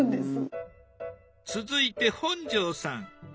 続いて本上さん。